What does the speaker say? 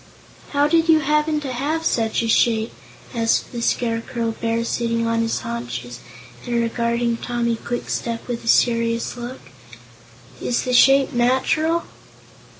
"How did you happen to have such a shape?" asked the Scarecrow Bear, sitting on his haunches and regarding Tommy Kwikstep with a serious look. "Is the shape natural?"